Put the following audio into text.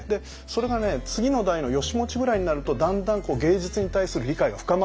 それがね次の代の義持ぐらいになるとだんだん芸術に対する理解が深まるんですよ。